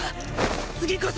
次こそ！